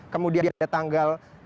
kemudian ada tanggal